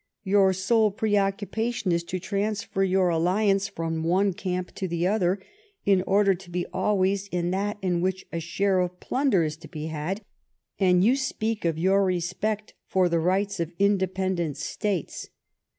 Your sole preoccupation is to transfer your alliance from one camp to the other, in order to be always ia that iu which a share of plunder is to be had, and you speak of your respect for the rights of independent States